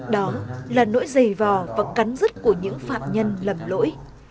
đó là nỗi dày vò và cắn rứt của những phạm nhân lầm lỗi